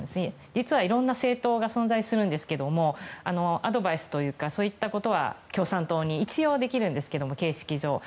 実は、いろんな政党が存在するんですけどアドバイスというかそういったことは共産党に一応できるんですけども形式上は。